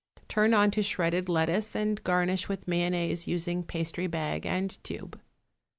Turn on to shredded lettuce and garnish with mayonnaise, using pastry bag and tube.